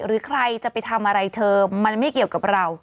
หรือใครจะไปทำอะไรเธอมันไม่เกี่ยวกับเรา